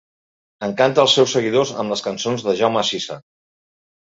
Encanta els seus seguidors amb les cançons de Jaume Sisa.